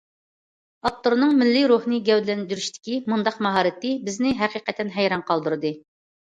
ئاپتورنىڭ مىللىي روھنى گەۋدىلەندۈرۈشتىكى مۇنداق ماھارىتى بىزنى ھەقىقەتەن ھەيران قالدۇرىدۇ.